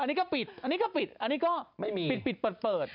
อันนี้ก็ปิดนี่ก็ปิดอันนี้ก็ปิดปิดเปิด